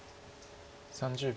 ３０秒。